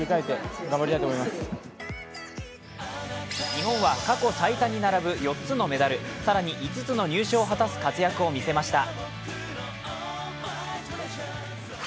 日本は過去最多に並ぶ４つのメダル更に５つの入賞を果たす活躍を見せました。